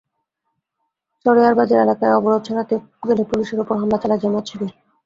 সরেয়ার বাজার এলাকায় অবরোধ সরাতে গেলে পুলিশের ওপর হামলা চালায় জামায়াত-শিবির।